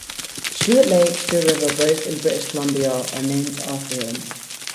Stuart Lake and Stuart River, both in British Columbia are named after him.